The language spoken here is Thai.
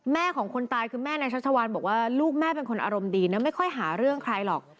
ของคนตายคือแม่นายชัชวานบอกว่าลูกแม่เป็นคนอารมณ์ดีนะไม่ค่อยหาเรื่องใครหรอก